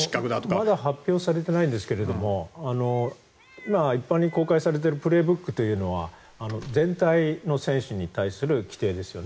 まだ発表されていないんですけど一般に公開されている「プレーブック」というのは全体の選手に対する規定ですよね。